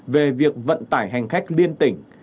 về việc vận tải hành khách liên tỉnh